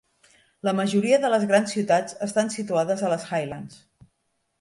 La majoria de les grans ciutats estan situades a les Highlands.